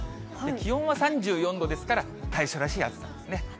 気温は３４度ですから、大暑らしい暑さですね。